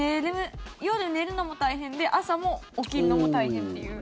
夜、寝るのも大変で朝も起きるのも大変という。